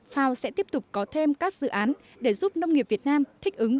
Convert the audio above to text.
fao sẽ tiếp tục có thêm các dự án để giúp nông nghiệp việt nam thích ứng